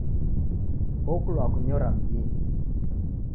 Okulwa wakunyora mdinyi